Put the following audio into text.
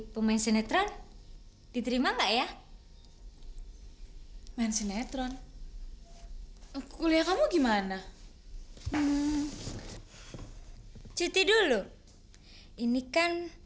sampai jumpa di video selanjutnya